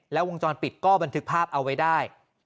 แล้ววงจรปิดก็บันทึกภาพเอาไว้ได้